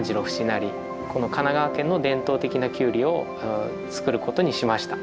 成この神奈川県の伝統的なキュウリを作ることにしました。